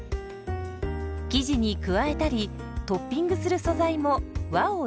生地に加えたりトッピングする素材も和を意識。